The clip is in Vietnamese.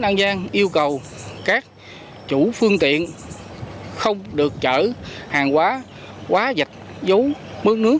đang gian yêu cầu các chủ phương tiện không được chở hàng hóa quá dạch dấu mớ nước